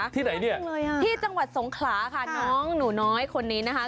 ที่ไหนเนี่ยที่จังหวัดสงขลาค่ะน้องหนูน้อยคนนี้นะคะ